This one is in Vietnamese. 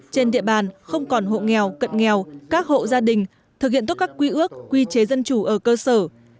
trên địa bàn không còn hộ nghèo cận nghèo các hộ gia đình thực hiện tốt các quy ước quy chế dân chủ ở cơ sở